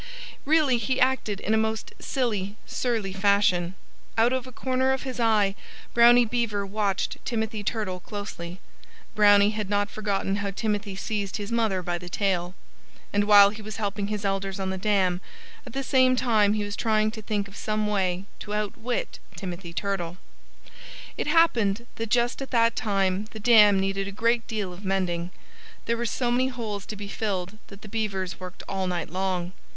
Really he acted in a most silly, surly fashion. Out of a corner of his eye Brownie Beaver watched Timothy Turtle closely. Brownie had not forgotten how Timothy seized his mother by the tail. And while he was helping his elders on the dam, at the same time he was trying to think of some way to outwit Timothy Turtle. It happened that just at that time the dam needed a great deal of mending. There were so many holes to be filled that the Beavers worked all night long.